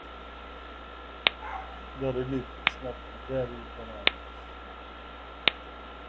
The relief is not very pronounced.